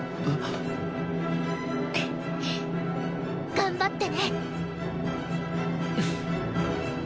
頑張ってね！